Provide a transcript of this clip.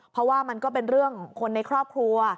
เพราะว่ามันก็เป็นเรื่องคนในครอบครัว